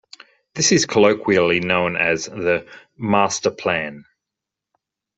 This is colloquially known as the "Master Plan".